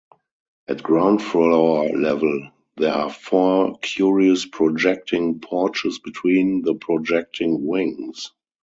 At ground floor level there are four curious projecting porches between the projecting wings.